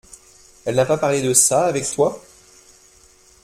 Elle n’a pas parlé de ça avec toi ?